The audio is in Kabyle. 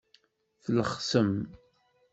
Tlexsem.